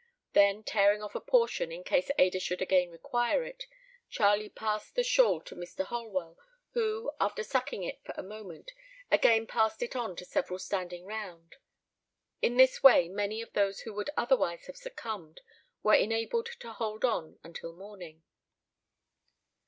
Then tearing off a portion in case Ada should again require it, Charlie passed the shawl to Mr. Holwell, who, after sucking it for a moment, again passed it on to several standing round. In this way many of those who would otherwise have succumbed were enabled to hold on until morning.